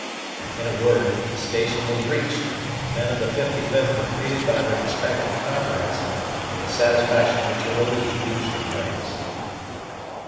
In a word, the station was reached, and the men of the 55th were greeted by their expecting comrades, with the satisfaction which a relief usually brings.